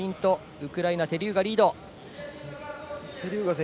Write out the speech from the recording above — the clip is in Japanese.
ウクライナ、テリューガがリード。